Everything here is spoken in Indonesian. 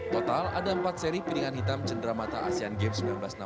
total ada empat seri piringan hitam cenderamata asean games seribu sembilan ratus enam puluh